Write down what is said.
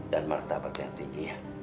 dan martabat yang tinggi ya